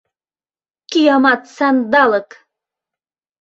— Киямат сандалык!